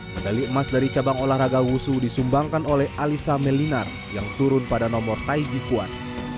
medali emas dari cabang olahraga wusu disumbangkan oleh alisa melinar yang turun pada nomor taiji tuan